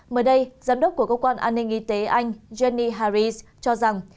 mới đây giám đốc của cơ quan an ninh y tế anh jenny harris cho rằng